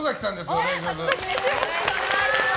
お願いします。